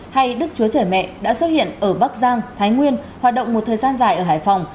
hay đức chúa trời mẹ đã xuất hiện ở bắc giang thái nguyên hoạt động một thời gian dài ở hải phòng